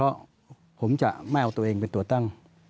มันจะมีผลไหม